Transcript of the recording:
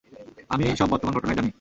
আমি সব বর্তমান ঘটনাই জানি।